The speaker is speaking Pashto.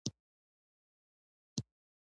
بابا د ځوانۍ له وخته پرهیزګار او عابد انسان و.